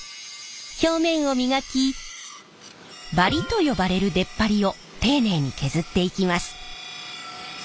表面を磨きバリと呼ばれる出っ張りを丁寧に削っていきます。